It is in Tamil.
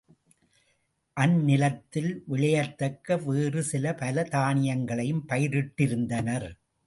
அந் நிலத்தில் விளையத்தக்க வேறு சில பல தானியங்களையும் பயிரிட்டிருந்தனர்.